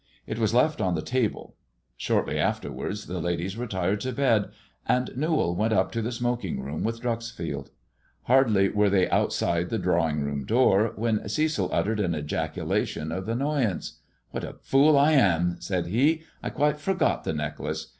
It was left on the table. Shortly afterwards the ladies 1 346 THE IVORY LEG AND THE DIAMONDS retired to bed, and Newall went up to the smoking room with Dreuxfield. Hardly were they outside the drawing room door when Cecil uttered an ejaculation of annoyance. " What a fool I am !" said he, " I quite forgot the necklace.